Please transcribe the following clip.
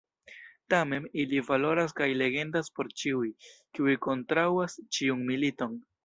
Tamen, ili valoras kaj legendas por ĉiuj, kiuj kontraŭas ĉiun militon.